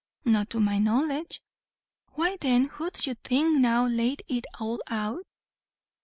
"Not to my knowledge." "Why then who 'ud you think now laid it all out?"